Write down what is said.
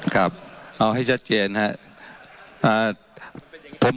ครับเอาให้ชัดเจนครับ